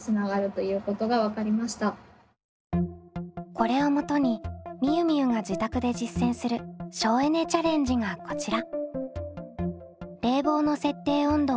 これをもとにみゆみゆが自宅で実践する省エネ・チャレンジがこちら。